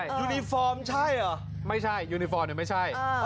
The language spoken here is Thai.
ยูนิฟอร์มใช่เหรอไม่ใช่ยูนิฟอร์มเนี่ยไม่ใช่